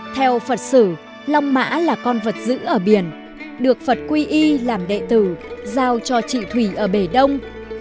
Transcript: theo phật sử long mã là con vật giữ ở biển được phật quy y làm đệ tử giao cho chị thủy ở bể đông